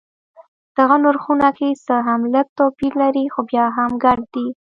دغه نرخونه که څه هم لږ توپیر لري خو بیا هم ګډ دي.